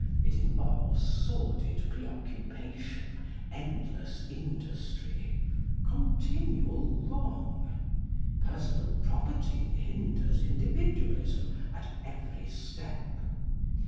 It involves sordid preoccupation, endless industry, continual wrong. Personal property hinders Individualism at every step.